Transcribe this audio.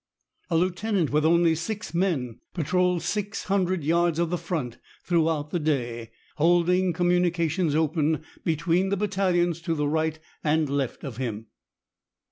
A lieutenant with only six men patrolled six hundred yards of the front throughout the day, holding communications open between the battalions to the right and left of him.